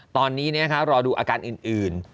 ตอนนี้รอดูอาการอื่น